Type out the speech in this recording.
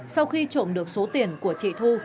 sau khi trộm được số tiền của chị thu